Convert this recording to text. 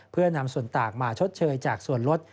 เพื่อนำส่วนต่างมาชดเชยจากส่วนลด